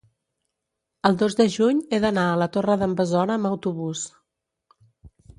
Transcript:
El dos de juny he d'anar a la Torre d'en Besora amb autobús.